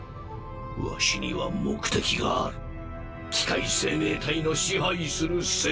ワシには目的がある機械生命体の支配する世界。